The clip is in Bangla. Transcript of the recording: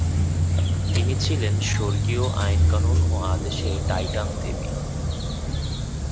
তিনি ছিলেন স্বর্গীয় আইন-কানুন ও আদেশের টাইটান দেবী।